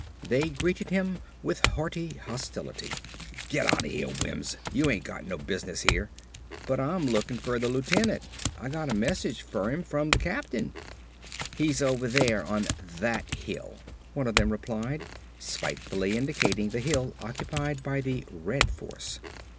They greeted him with hearty hostility. "Git outta here, Wims. You ain't got no business here." "But Ah'm lookin' fer the lieutenant. Ah got a message fer 'im from the captain." "He's over there on that hill," one of them replied, spitefully indicating the hill occupied by the Red force.